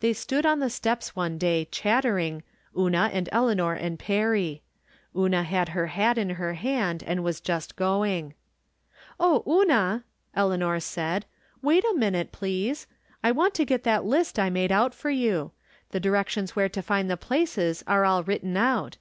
They stood on the steps one day, chattering, Una and Eleanor and Perry. Una had her hat in her hand, and was just going. " Oh, Una," Eleanor said, " wait a minute, please. I want to get that list I made out for you. The directions where to find the places are all written out.